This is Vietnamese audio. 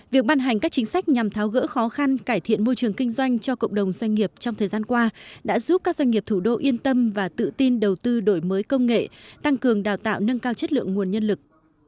việc ban hành các chính sách nhằm tháo gỡ khó khăn cải thiện môi trường kinh doanh cho cộng đồng doanh nghiệp trong thời gian qua đã giúp các doanh nghiệp thủ đô yên tâm và tự tin đầu tư đổi mới công nghệ tăng cường đào tạo nâng cao chất lượng nguồn nhân lực